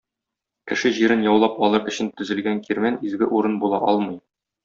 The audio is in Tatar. Кеше җирен яулап алыр өчен төзелгән кирмән изге урын була алмый!